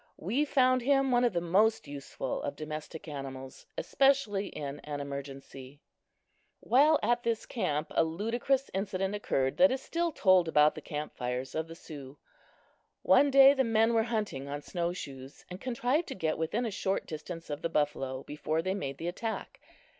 We found him one of the most useful of domestic animals, especially in an emergency. While at this camp a ludicrous incident occurred that is still told about the camp fires of the Sioux. One day the men were hunting on snow shoes, and contrived to get within a short distance of the buffalo before they made the attack.